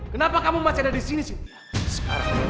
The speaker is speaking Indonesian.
kenapa kamu masih ada di sini sih